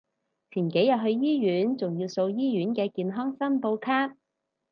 前幾日去醫院仲要掃醫院嘅健康申報卡